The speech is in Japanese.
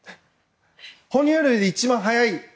哺乳類で一番速い。